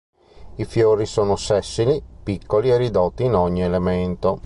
I fiori sono sessili, piccoli e ridotti in ogni elemento.